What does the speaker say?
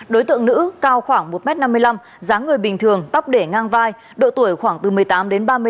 đối tượng nữ cao khoảng một m năm mươi năm dáng người bình thường tóc để ngang vai độ tuổi khoảng từ một mươi tám đến ba mươi năm